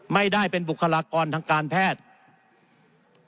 ไม่ได้เป็นบุคลากรทางการแพทย์